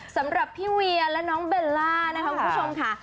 สำหรับพี่เวียและน้องเบลล่านะคะคุณผู้ชมค่ะ